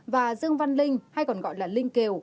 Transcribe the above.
và dương văn linh hay còn gọi là linh kề